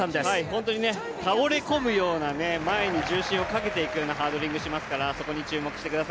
本当に倒れ込むような、前に重心をかけるハードリングをしてきますから、そこに注目です。